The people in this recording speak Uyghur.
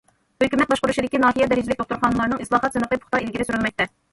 ھۆكۈمەت باشقۇرۇشىدىكى ناھىيە دەرىجىلىك دوختۇرخانىلارنىڭ ئىسلاھات سىنىقى پۇختا ئىلگىرى سۈرۈلمەكتە.